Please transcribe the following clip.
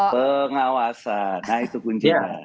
pengawasan nah itu kuncinya